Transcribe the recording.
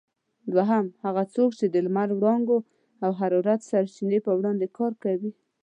دوهم: هغه څوک چې د لمر وړانګو او حرارت سرچینې په وړاندې کار کوي؟